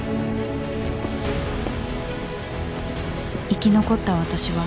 「生き残った私は」